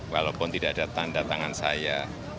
walaupun tidak ada tanda tangan saya